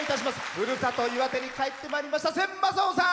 ふるさと・岩手に帰ってまいりました千昌夫さん。